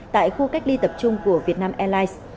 tại khu cách ly tập trung của vietnam airlines